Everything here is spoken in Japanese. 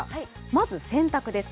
まず洗濯です。